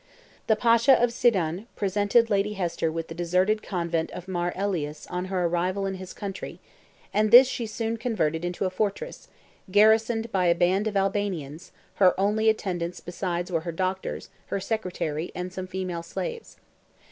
The Pasha of Sidon presented Lady Hester with the deserted convent of Mar Elias on her arrival in his country, and this she soon converted into a fortress, garrisoned by a band of Albanians: her only attendants besides were her doctor, her secretary, and some female slaves.